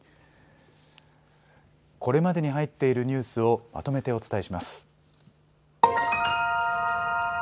これまでに入っているニュースをまとめてお伝えします。